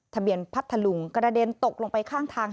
ทะเบียนพัดถลุงกระเด็นตกลงไปข้างทาง